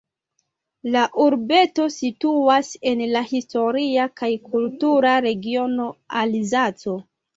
La urbeto situas en la historia kaj kultura regiono Alzaco.